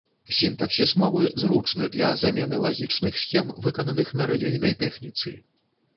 Сінтаксіс мовы зручны для замены лагічных схем, выкананых на рэлейнай тэхніцы.